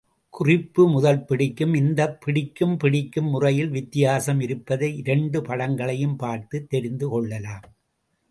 குறிப்பு முதல் பிடிக்கும் இந்தப் பிடிக்கும், பிடிக்கும் முறையில் வித்தியாசம் இருப்பதை இரண்டு படங்களையும் பார்த்துத் தெரிந்து கொள்ளவும்.